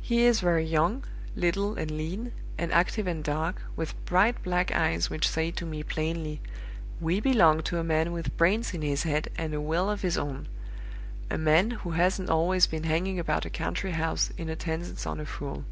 He is very young, little and lean, and active and dark, with bright black eyes which say to me plainly, 'We belong to a man with brains in his head and a will of his own; a man who hasn't always been hanging about a country house, in attendance on a fool.